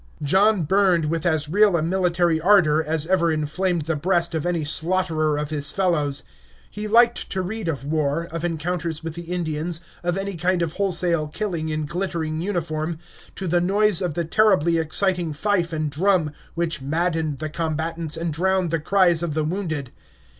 John burned with as real a military ardor as ever inflamed the breast of any slaughterer of his fellows. He liked to read of war, of encounters with the Indians, of any kind of wholesale killing in glittering uniform, to the noise of the terribly exciting fife and drum, which maddened the combatants and drowned the cries of the wounded.